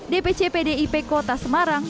dpc pdip kota semarang